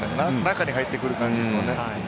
中に入ってくる感じですもんね。